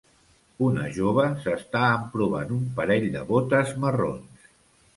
Una jove s'està emprovant un parell de botes marrons.